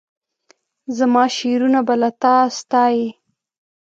زماشعرونه به لا تا ستایي